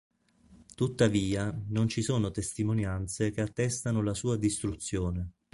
Tuttavia, non ci sono testimonianze che attestano la sua distruzione.